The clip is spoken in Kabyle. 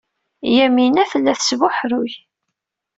Yamina tella tesbuḥruy.